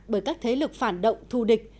bởi các thế lực phản động thu địch